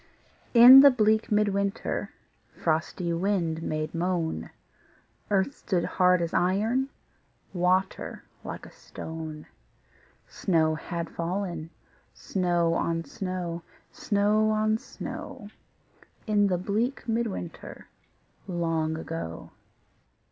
In the bleak mid winter Frosty wind made moan, Earth stood hard as iron, Water like a stone; Snow had fallen, snow on snow, Snow on snow, In the bleak mid winter Long ago.